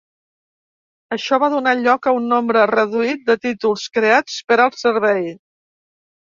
Això va donar lloc a un nombre reduït de títols creats per al servei.